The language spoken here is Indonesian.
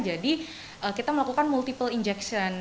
jadi kita melakukan multiple injection